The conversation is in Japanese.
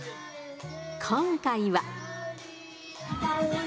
今回は。